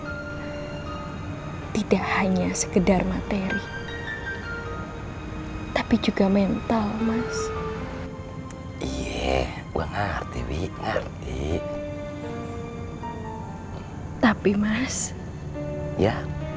hai tidak hanya sekedar materi hai tapi juga mental mas iya gua ngerti ngerti tapi mas ya